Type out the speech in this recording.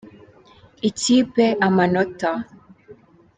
Ikipe Amanota.